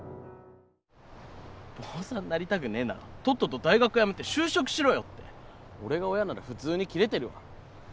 坊さんなりたぐねえならとっとと大学やめて就職しろよって俺が親なら普通に切れてるわ。